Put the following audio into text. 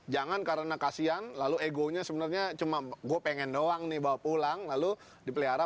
jangan karena kasian lalu egonya sebenarnya cuma gue pengen doang nih bawa pulang lalu dipelihara